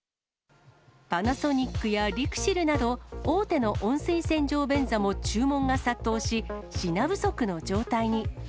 パナソニックやＬＩＸＩＬなど、大手の温水洗浄便座も注文が殺到し、品不足の状態に。